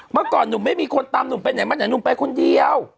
เมื่อก่อนหนุ่มไม่มีคนตามหนุ่มไปไหนมาไหนหนุ่มไปคนเดียว